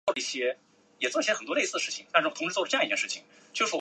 罗氏长插蛛为皿蛛科长插蛛属的动物。